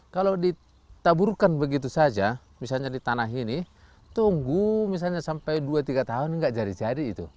kalau ditaburkan begitu saja misalnya di tanah ini tunggu misalnya sampai dua tiga tahun nggak jadi jadi itu